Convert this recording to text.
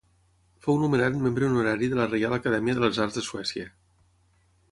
Fou nomenat Membre Honorari de la Reial Acadèmia de les Arts de Suècia.